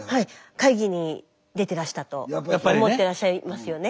会議に出てらしたと思ってらっしゃいますよね。